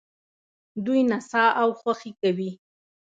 دوی نڅا او خوښي کوي.